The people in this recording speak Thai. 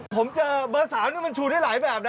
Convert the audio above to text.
ผมเจอเบอร์๓นี่มันชูได้หลายแบบนะ